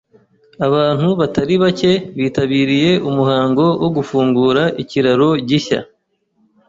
Abantu batari bake bitabiriye umuhango wo gufungura ikiraro gishya.